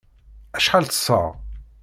Acḥal ṭṭseɣ?